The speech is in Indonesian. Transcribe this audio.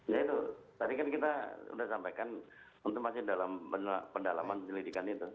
ya itu tadi kan kita sudah sampaikan tentu masih dalam pendalaman penyelidikan itu